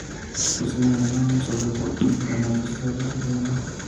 Posee un alerón sobre el portón con una tercera luz de freno.